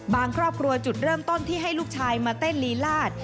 ครอบครัวจุดเริ่มต้นที่ให้ลูกชายมาเต้นลีลาด